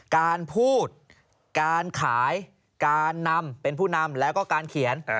การพูดการขายการนำเป็นผู้นำแล้วก็การเขียน